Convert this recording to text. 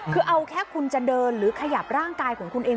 คือเอาแค่คุณจะเดินหรือขยับร่างกายของคุณเอง